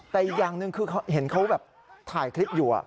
แต่อีกอย่างหนึ่งคือเห็นเขาแบบถ่ายคลิปอยู่